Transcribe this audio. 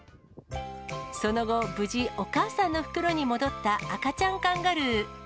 その後、無事、お母さんの袋に戻った赤ちゃんカンガルー。